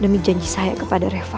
demi janji saya kepada reva